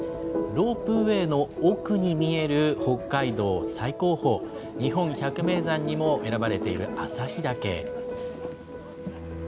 ロープウエーの奥に見える北海道最高峰、日本百名山にも選ばれている旭岳。